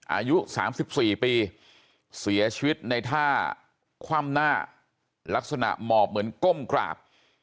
อายุ๓๔ปีเสียชีวิตในท่าคว่ำหน้าลักษณะหมอบเหมือนก้มกราบ